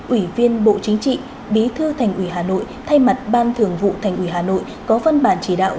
ủy viên bộ chính trị bí thư thành ủy hà nội thay mặt ban thường vụ thành ủy hà nội có văn bản chỉ đạo